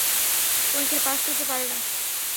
পরীক্ষায় পাস করতে পারে না।